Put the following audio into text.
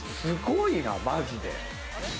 すごいな、マジで。